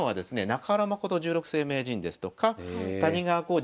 中原誠十六世名人ですとか谷川浩司